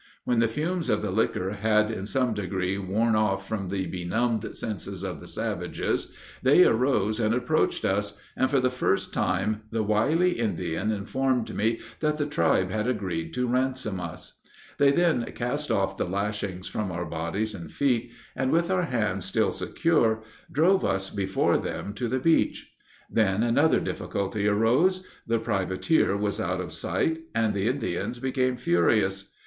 When the fumes of the liquor had in some degree worn off from the benumbed senses of the savages, they arose and approached us, and, for the first time, the wily Indian informed me that the tribe had agreed to ransom us. They then cast off the lashings from our bodies and feet, and, with our hands still secure, drove us before them to the beach. Then another difficulty arose; the privateer was out of sight, and the Indians became furious.